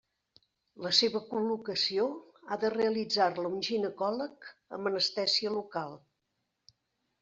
La seva col·locació ha de realitzar-la un ginecòleg amb anestèsia local.